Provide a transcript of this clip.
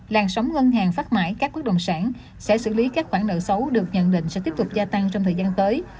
làn sóng ngân hàng phát mãi các bất động sản sẽ xử lý các khoản nợ xấu được nhận định sẽ tiếp tục gia tăng trong thời gian tới